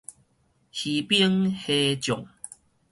魚兵蝦將